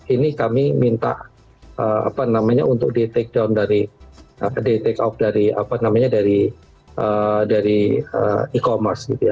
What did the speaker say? ini kami minta apa namanya untuk di take down dari e commerce